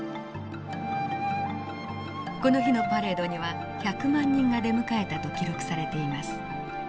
この日のパレードには１００万人が出迎えたと記録されています。